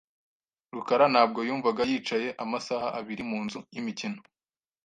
rukara ntabwo yumvaga yicaye amasaha abiri mu nzu yimikino .